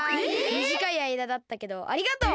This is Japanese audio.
みじかいあいだだったけどありがとう！